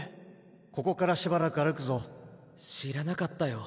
ここからしばらく歩くぞ知らなかったよ